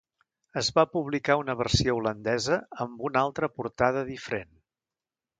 Es va publicar una versió holandesa amb una altra portada diferent.